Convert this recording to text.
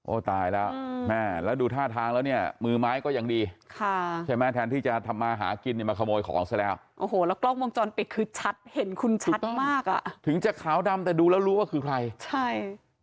ตายแล้วแม่แล้วดูท่าทางแล้วเนี่ยมือไม้ก็ยังดีค่ะใช่ไหมแทนที่จะทำมาหากินเนี่ยมาขโมยของซะแล้วโอ้โหแล้วกล้องวงจรปิดคือชัดเห็นคุณชัดมากอ่ะถึงจะขาวดำแต่ดูแล้วรู้ว่าคือใครใช่